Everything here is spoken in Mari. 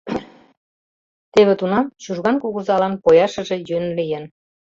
Теве тунам Чужган кугызалан пояшыже йӧн лийын.